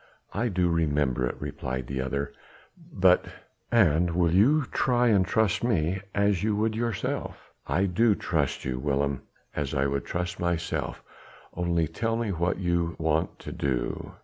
"I do remember it," replied the other, "but...." "And will you try and trust me as you would yourself?" "I do trust you, Willem, as I would trust myself; only tell me what you want to do."